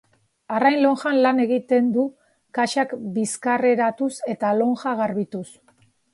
Arrain lonjan lan egiten du kaxak bizkarreratuz eta lonja garbituz.